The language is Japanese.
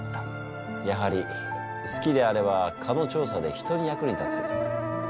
やはり好きであれば蚊の調査で人の役に立つ。